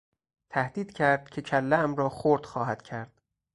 تهدید کرد که کلهام را خرد خواهد کرد.